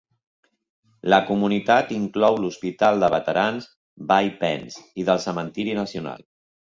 La comunitat inclou l'hospital de veterans Bay Pines i del cementiri nacional.